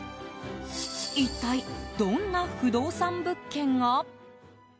一体、どんな負動産物件が？